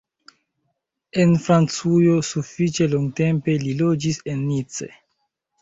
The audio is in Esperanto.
En Francujo sufiĉe longtempe li loĝis en Nice.